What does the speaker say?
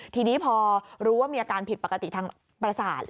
ทีนี้พอรู้ว่ามีอาการผิดปกติทางประสาท